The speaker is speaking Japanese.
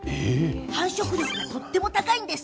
繁殖力がとっても高いんです。